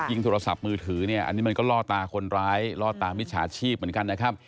โทรศัพท์มือถือเนี่ยอันนี้มันก็ล่อตาคนร้ายล่อตามิจฉาชีพเหมือนกันนะครับ